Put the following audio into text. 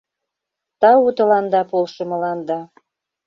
— Тау тыланда полшымыланда...